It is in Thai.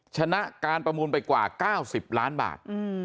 ชนะการประมูลไปกว่า๙๐ล้านบาท